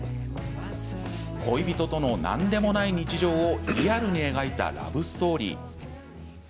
恋人との、何でもない日常をリアルに描いたラブストーリー。